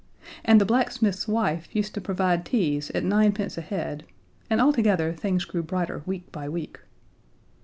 And the blacksmith's wife used to provide teas at ninepence a head, and altogether things grew brighter week by week.